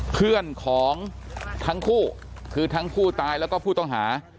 เพื่อนของทั้งคู่คือทั้งผู้ตายแล้วก็ผู้ต้องหา